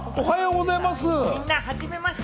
みんな、はじめまして！